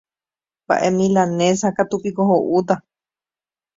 Mbaʼe milanesa katu piko hoʼúta.